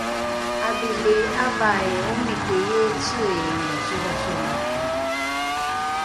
’adhili ’avai omiki iociing solasolate